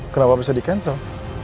kenapa bisa di cancel